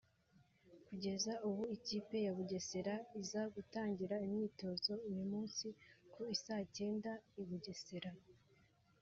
Kugeza ubu ikipe ya Bugesera iza gutangira imyitozo uyu munsi ku i saa cyenda i Bugesera